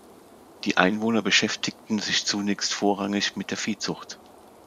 Die Einwohner beschäftigten sich zunächst vorrangig mit der Viehzucht.